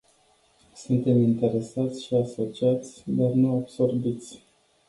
Suntem interesați și asociați, dar nu absorbiți.